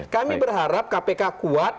kami berharap kpk kuat